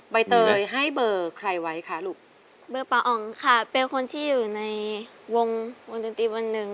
ใบเตยให้เบอร์ใครไว้คะลูกเบอร์ป่าอองค่ะเป็นคนที่อยู่ในวงวงดนตรีวันหนึ่ง